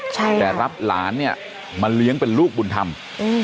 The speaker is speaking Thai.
ใช่ครับแต่รับหลานเนี่ยมาเลี้ยงเป็นลูกบุญธรรมอืม